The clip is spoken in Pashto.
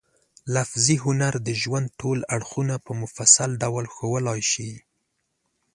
لفظي هنر د ژوند ټول اړخونه په مفصل ډول ښوولای شي.